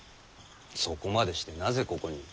そこまでしてなぜここに？